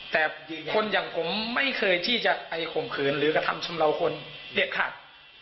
แต่คนอย่างผมไม่เคยที่จะไปข่มขืนหรือกระทำชำเลาคนเด็ดขาด